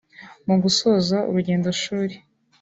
Mu gusoza urugendo shuri